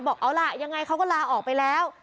บอกเอาล่ะยังไงเขาก็ลาออกไปแล้ว